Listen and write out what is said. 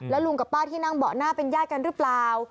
ลุงกับป้าที่นั่งเบาะหน้าเป็นญาติกันหรือเปล่า